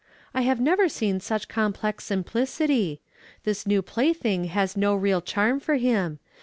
"I have never seen such complex simplicity. This new plaything has no real charm for him.